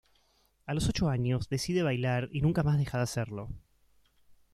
A los ocho años decide bailar y nunca más deja de hacerlo.